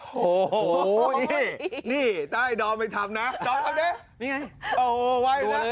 โหนี่ถ้าให้ดอมไม่ทำนะดอมทำดิ